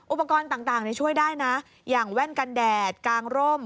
อุปกรณ์ต่างช่วยได้นะอย่างแว่นกันแดดกางร่ม